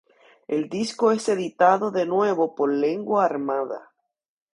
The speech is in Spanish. El disco es editado de nuevo por Lengua Armada.